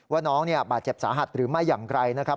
ว่าน้องบาดเจ็บสาหัสหรือไม่อย่างไรนะครับ